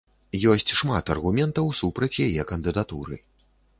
Ёсць шмат аргументаў супраць яе кандыдатуры.